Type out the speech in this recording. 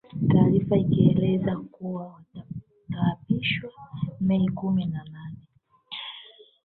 Taarifa ikieleza kuwa wataapishwa Mei kumi na nane